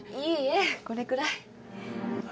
いいえこれくらい。